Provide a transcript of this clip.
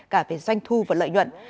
cả về doanh thu và lợi nhuận